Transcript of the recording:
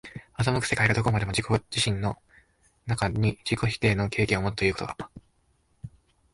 斯く世界がどこまでも自己自身の中に自己否定の契機をもつということが、